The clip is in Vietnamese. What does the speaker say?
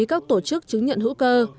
các tổ chức chứng nhận hữu cơ